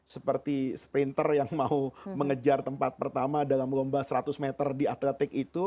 seperti sprinter yang mau mengejar tempat pertama dalam lomba seratus meter di atletik itu